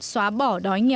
xóa bỏ đói nhiệt